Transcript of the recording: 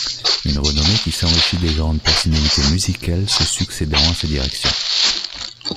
Une renommée qui s’enrichit des grandes personnalités musicales se succédant à sa direction.